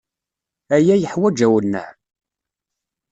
Aya yeḥwaǧ awenneɛ.